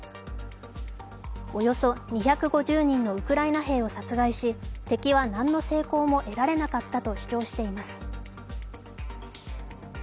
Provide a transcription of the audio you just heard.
およそ２５０人のウクライナ兵を殺害し敵は何の成功も得られなかったと主張しています。